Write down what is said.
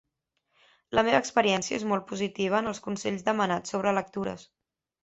La meva experiència és molt positiva en els consells demanats sobre lectures.